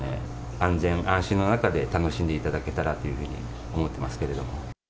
安全安心の中で楽しんでいただけたらというふうに思ってますけれども。